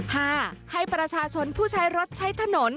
ห้าให้ประชาชนผู้ใช้รถใช้ถนน